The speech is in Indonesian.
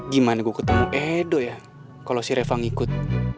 gimana gue ketemu edo ya kalau si reva ngikut